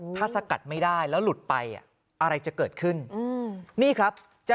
ถ้าสกัดไม่ได้แล้วหลุดไปอ่ะอะไรจะเกิดขึ้นอืม